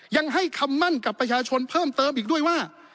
ยังให้คำมั่นกับประชาชนเพิ่มเติมอีกด้วยว่า